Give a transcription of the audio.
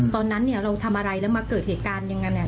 ตอนนั้นเราทำอะไรแล้วมาเกิดเหตุการณ์อย่างนั้น